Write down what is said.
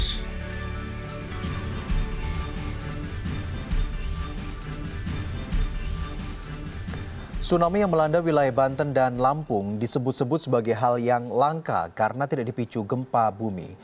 tsunami yang melanda wilayah banten dan lampung disebut sebut sebagai hal yang langka karena tidak dipicu gempa bumi